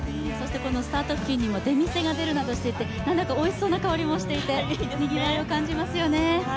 このスタート付近にも出店が出るなどして何だかおいしそうな香りもしていて、にぎわいを感じますよね。